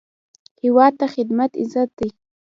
هیواد ته خدمت عزت دی